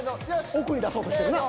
奥に出そうとしてるな。